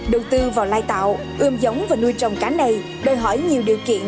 đầu tư vào lai tạo ươm giống và nuôi trồng cá này đòi hỏi nhiều điều kiện